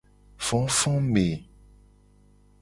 Fofome.